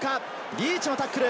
リーチのタックル。